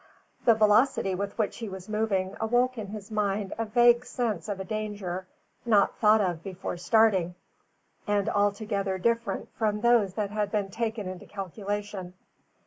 The velocity with which he was moving awoke in his mind a vague sense of a danger not thought of before starting, and altogether different from those that had been taken into calculation.